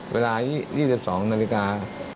เวลา๒๒นาฬิกา